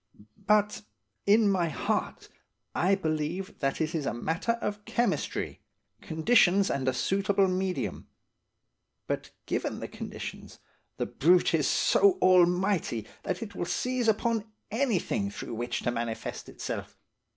But, in my heart, I believe that it is a matter of chemistry–conditions and a suitable medium; but given the conditions, the brute is so almighty that it will seize upon anything through which to manifest itself.